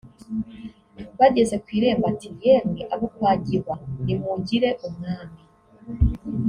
Bageze ku irembo ati "Yemwe abo kwa Gihwa nimugire umwami